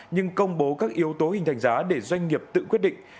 nhưng công bố các yếu tố hình thành giá để doanh nghiệp tự quyết định